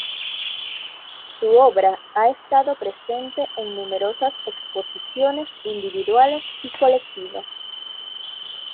Su obra ha estado presente en numerosas exposiciones individuales y colectivas.